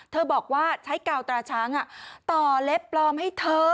บอกว่าใช้กาวตราช้างต่อเล็บปลอมให้เธอ